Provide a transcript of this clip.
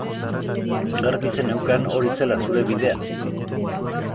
Garbi zeneukan hori zela zure bidea?